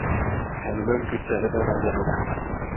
Hän lönkyttää veräjälle.